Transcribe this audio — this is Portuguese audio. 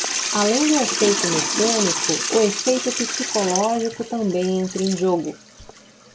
Além do efeito mecânico, o efeito psicológico também entra em jogo.